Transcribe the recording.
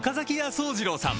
惣次郎さん